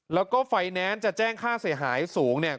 แล้วก็ไฟแนนซ์จะแจ้งค่าเสียหายสูงเนี่ย